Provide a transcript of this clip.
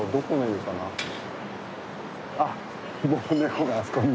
あもうネコがあそこに。